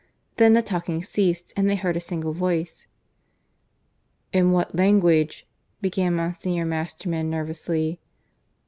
Then the talking ceased, and they heard a single voice. "In what language " began Monsignor Masterman nervously.